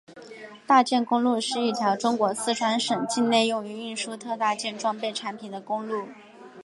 大件公路是一条中国四川省境内用于运输特大件装备产品的公路。